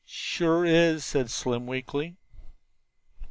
"Sure is," said Slim weakly.